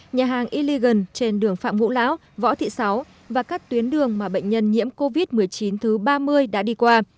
nhà hàng illigan trên đường phạm vũ láo võ thị sáu và các tuyến đường mà bệnh nhân nhiễm covid một mươi chín thứ ba mươi đã đi qua